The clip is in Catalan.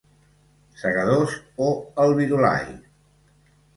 Segadors" o el "Virolai"?